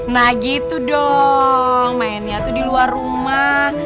nah gitu dong mainnya tuh di luar rumah